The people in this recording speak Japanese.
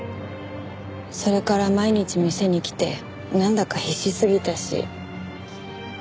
それから毎日店に来てなんだか必死すぎたし。